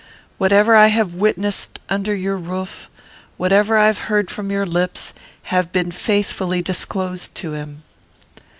Whatever I have witnessed under your roof, whatever I have heard from your lips, have been faithfully disclosed to him."